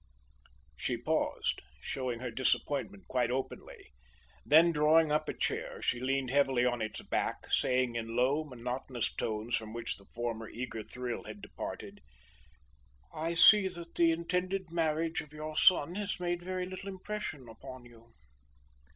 She paused, showing her disappointment quite openly. Then drawing up a chair, she leaned heavily on its back, saying in low, monotonous tones from which the former eager thrill had departed: "I see that the intended marriage of your son has made very little impression upon you."